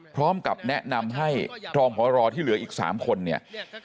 พร้อมกับแนะนำให้รองพอที่เหลืออีก๓คนเนี่ย